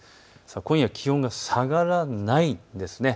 今夜、気温が下がらないですね。